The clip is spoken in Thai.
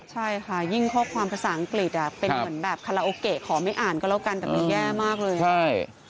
ใช่ค่ะยิ่งข้อความภาษาอังกฤษเป็นเหมือนแบบคาราโอเกะขอไม่อ่านก็แล้วกันแต่มันแย่มากเลยใช่